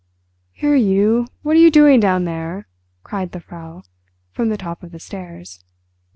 "Here, you, what are you doing down there?" cried the Frau, from the top of the stairs.